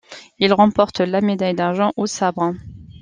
Il remporte la médaille d'argent au sabre.